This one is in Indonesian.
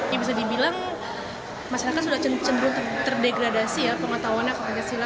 ya bisa dibilang masyarakat sudah cenderung terdegradasi ya pengetahuannya ke pancasila